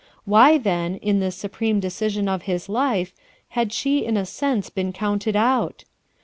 Why then, in this supreme decision of his life, had she in a n^e been counted out?